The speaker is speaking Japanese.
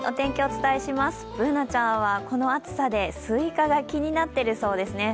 Ｂｏｏｎａちゃんはこの暑さでスイカが気になってるそうですね。